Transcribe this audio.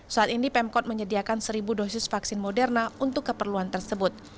saat ini pemkot menyediakan seribu dosis vaksin moderna untuk keperluan tersebut